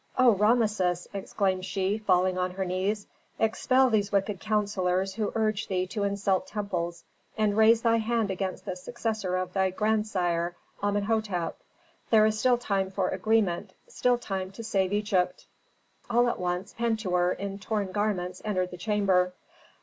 O Rameses," exclaimed she, falling on her knees, "expel these wicked counsellors who urge thee to insult temples, and raise thy hand against the successor of thy grandsire, Amenhôtep. There is still time for agreement, still time to save Egypt." All at once, Pentuer, in torn garments, entered the chamber.